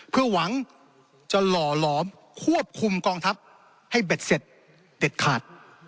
เพื่อหวังจะหล่อหลอมควบคุมกองทัพให้เบ็ดเสร็จเด็ดขาด